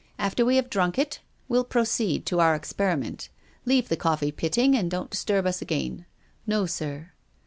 After we have drunk it we'll proceed to our experiment. Leave the coffee. Pitting, and don't disturb us again." •' No, sir."